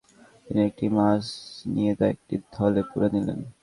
তিনি একটি মাছ নিয়ে তা একটি থলে পুরে নিলেন।